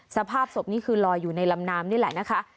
สภาพศพนี่คือลอยอยู่ในลำน้ำนี่แหละนะคะ